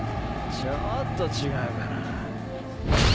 ちょっと違うかな。